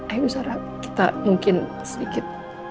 ayo sarah kita mungkin sedikit